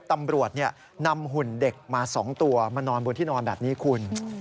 ตำรวจนำหุ่นเด็กมา๒ตัวมานอนบนที่นอนแบบนี้คุณ